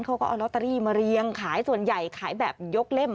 เขาก็เอาลอตเตอรี่มาเรียงขายส่วนใหญ่ขายแบบยกเล่ม